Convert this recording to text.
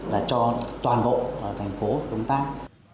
là cho toàn bộ thành phố công tác